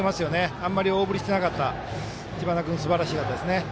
あまり大振りしてなかった知花君、すばらしいですね。